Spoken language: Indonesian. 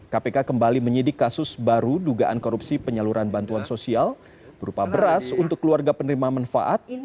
kpk kembali menyidik kasus baru dugaan korupsi penyaluran bantuan sosial berupa beras untuk keluarga penerima manfaat